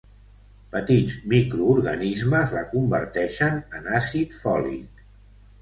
Petits microorganismes la converteixen en àcid fòlic.